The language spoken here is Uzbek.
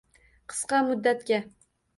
Qisqa muddatga